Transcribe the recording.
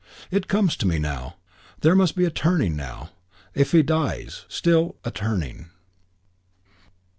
"It comes to me now. There must be a turning now. If he dies ... still, a turning."